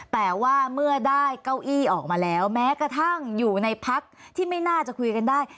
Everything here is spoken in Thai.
แต่ว่าเมื่อได้เก้าอี้ออกมาแล้วแม้กระทั่งอยู่ในพักที่ไม่น่าจะคุยกันได้